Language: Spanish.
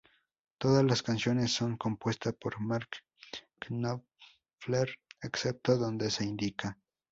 Todas las canciones son compuestas por Mark Knopfler excepto donde se indica.